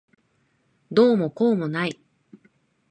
どうもこうもない。